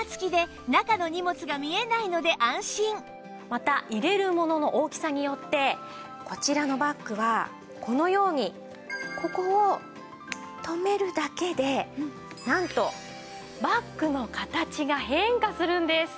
また入れるものの大きさによってこちらのバッグはこのようにここを留めるだけでなんとバッグの形が変化するんです。